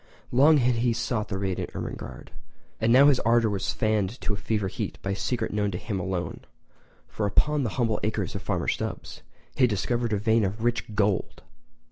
Long had he sought the radiant Ermengarde, and now his ardour was fanned to fever heat by a secret known to him alone—for upon the humble acres of Farmer Stubbs he had discovered a vein of rich GOLD!!